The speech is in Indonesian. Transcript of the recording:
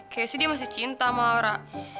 kayaknya dia masih cinta sama laura